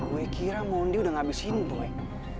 gue kira mondi udah gak habisin tuh